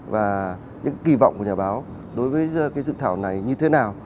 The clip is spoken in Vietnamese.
và những kỳ vọng của nhà báo đối với dự thảo này như thế nào